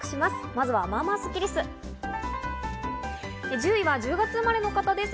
まずは、まあまあスッキりす。